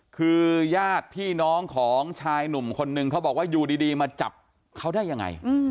คือญาติพี่น้องของชายหนุ่มคนนึงเขาบอกว่าอยู่ดีมาจับเขาได้ยังไง